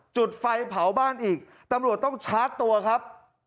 จุดไฟเผาบ้านอีกตำรวจต้องชาร์จตัวครับ